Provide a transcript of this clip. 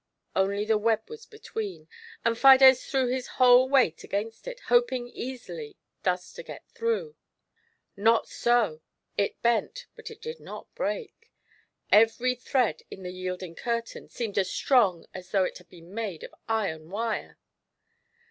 Only the web was between, and Fides threw his whole weight against it, hoping easily thus to get through ; not so, it bent, but it did not break — every thread in the yielding curtain seemed as strong as though it had been made of iron wire.